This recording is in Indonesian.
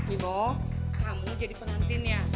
ibu kamu jadi pengantin ya